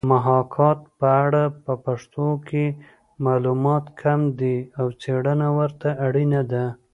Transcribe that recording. محاکات په اړه په پښتو کې معلومات کم دي او څېړنه ورته اړینه ده